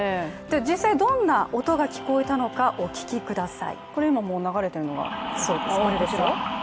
実際、どんな音が聞こえたのかお聴きください。